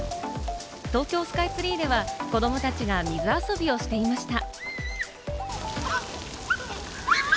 東京スカイツリーでは子どもたちが水遊びをしていました。